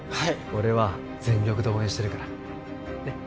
俺は全力で応援してるからねっ